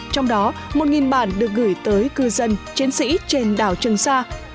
trong đó một bản được gửi tới cư dân chiến sĩ trên đảo trường sa